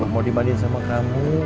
mau dibandingin sama kamu